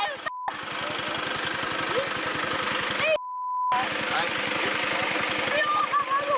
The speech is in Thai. กูทำลับตัวเนี่ยมันทำไม